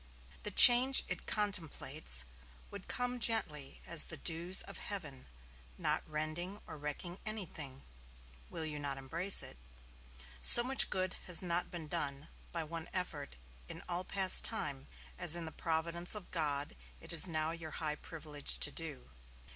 The change it contemplates would come gently as the dews of heaven, not rending or wrecking anything. Will you not embrace it? So much good has not been done, by one effort, in all past time, as in the providence of God it is now your high privilege to do.